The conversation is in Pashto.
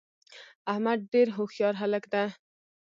احمدډیرهوښیارهلک ده